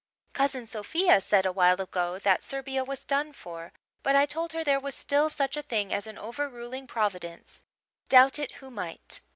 "Cousin Sophia said awhile ago that Serbia was done for, but I told her there was still such a thing as an over ruling Providence, doubt it who might.